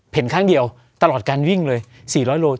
เพ่นข้างเดียวตลอดการวิ่งเลย๔๐๐โลกรัม